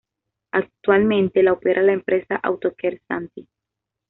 Actualmente la opera la empresa Autocares Santi.